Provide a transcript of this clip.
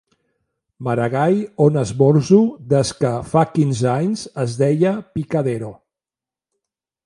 Maragall on esmorzo des que, fa quinze anys, es deia “Picadero”.